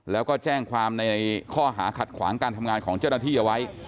แล้วก็แจ้งความในข้อหาขัดขวางการทำงานของเจ้าหน้าที่เอาไว้